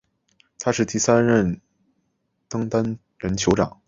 他是第三任登丹人酋长。